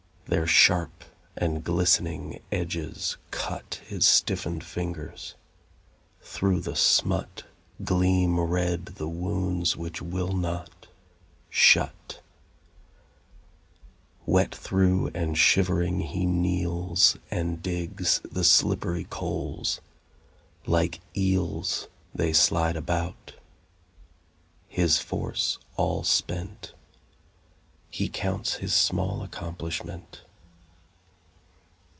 Their sharp and glistening edges cut His stiffened fingers. Through the smut Gleam red the wounds which will not shut. Wet through and shivering he kneels And digs the slippery coals; like eels They slide about. His force all spent, He counts his small accomplishment.